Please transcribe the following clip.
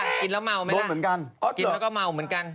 กินแล้วเมาไหมละกินแล้วก็เมาเหมือนกัน